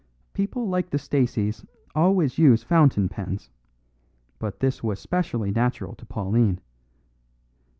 "People like the Staceys always use fountain pens; but this was specially natural to Pauline.